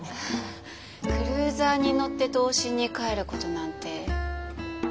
クルーザーに乗って童心に返ることなんてないですもんね。